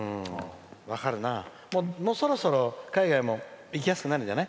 もうそろそろ海外も行きやすくなるんじゃない？